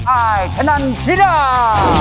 อายชะนันชิดา